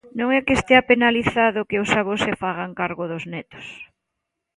Non é que estea penalizado que os avós se fagan cargo dos netos.